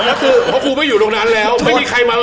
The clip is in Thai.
เพราะกูไม่อยู่ตรงนั้นแล้ว